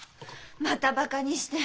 またバカにして。